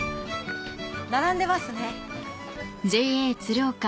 並んでますね。